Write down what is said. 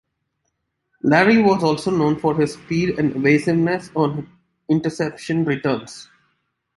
Lary was also known for his speed and evasiveness on interception returns.